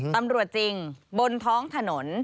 ตำรวจจริงบนท้องถนน